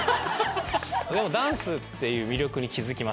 でもダンスっていう魅力に気付きまして。